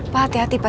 pak hati hati pak